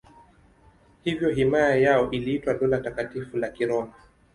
Hivyo himaya yao iliitwa Dola Takatifu la Kiroma.